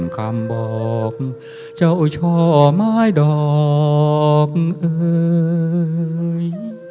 คำบอกเจ้าช่อไม้ดอกเอ่ย